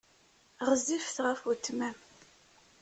Ɣezzifet ɣef weltma-m.